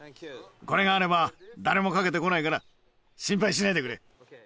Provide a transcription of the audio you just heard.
これがあれば誰もかけてこないから心配しないでくれ。